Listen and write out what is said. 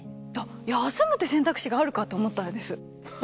休むって選択肢があるかと思ったんです。